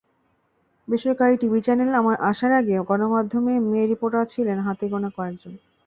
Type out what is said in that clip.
বেসরকারি TV channel আসার আগে গণমাধ্যমে মেয়ে রিপোর্টার ছিলেন হাতে গোনা কয়েকজন।